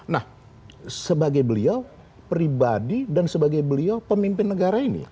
nah sebagai beliau pribadi dan sebagai beliau pemimpin negara ini